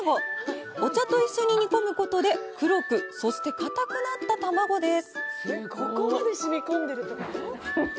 お茶と一緒に煮込むことで、黒く、そして硬くなった卵です。